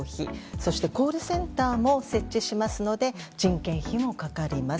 そしてコールセンターも設置しますので人件費もかかります。